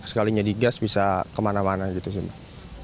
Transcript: sekalinya digas bisa kemana mana gitu sih